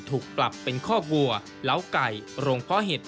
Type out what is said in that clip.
ถูกปรับเป็นคอกวัวเล้าไก่โรงเพาะเห็ด